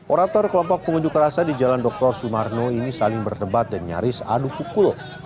orator kelompok pengunjuk rasa di jalan dr sumarno ini saling berdebat dan nyaris adu pukul